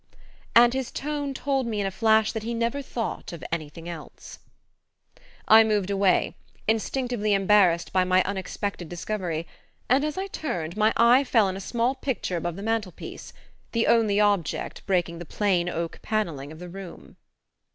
And his tone told me in a flash that he never thought of anything else. I moved away, instinctively embarrassed by my unexpected discovery; and as I turned, my eye fell on a small picture above the mantel piece the only object breaking the plain oak panelling of the room.